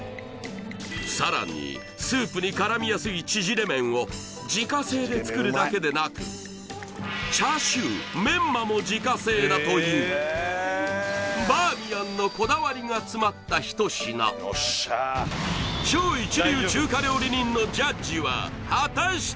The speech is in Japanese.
さらにスープに絡みやすいちぢれ麺を自家製で作るだけでなくチャーシューメンマも自家製だというバーミヤンのこだわりが詰まった一品果たして